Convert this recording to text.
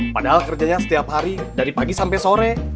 padahal kerjanya setiap hari dari pagi sampai sore